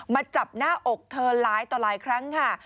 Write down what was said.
มาจับหน้าอกเธอหลายต่อหลายครั้งค่ะ